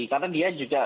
karena dia juga